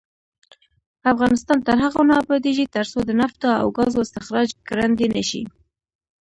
افغانستان تر هغو نه ابادیږي، ترڅو د نفتو او ګازو استخراج ګړندی نشي.